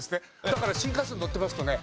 だから新幹線乗ってますとね